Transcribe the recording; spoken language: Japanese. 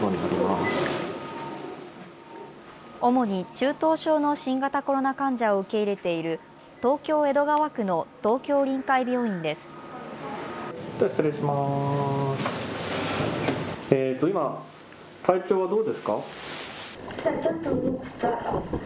主に中等症の新型コロナ患者を受け入れている東京江戸川区の東京臨海病院です。